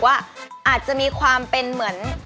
ว่าอาจจะมีความเป็นเหมือน